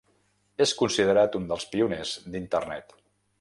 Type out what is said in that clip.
És considerat un dels pioners d'internet.